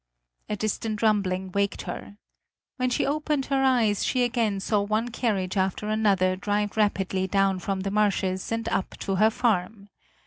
A distant rumbling waked her. When she opened her eyes, she again saw one carriage after another drive rapidly down from the marshes and up to her farm.